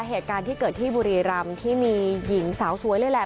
เหตุการณ์ที่เกิดที่บุรีรำที่มีหญิงสาวสวยเลยแหละ